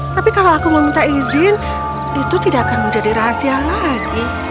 tapi kalau aku meminta izin itu tidak akan menjadi rahasia lagi